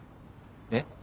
えっ？